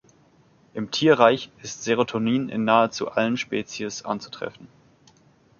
Im Tierreich ist Serotonin in nahezu allen Spezies anzutreffen.